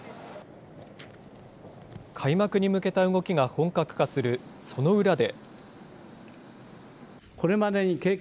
開幕に向けた動きが本格化するその裏で。